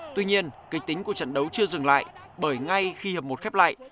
tuy nhiên kịch tính của trận đấu chưa dừng lại bởi ngay khi hợp một khép lại